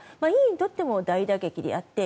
ＥＵにとっても大打撃であって。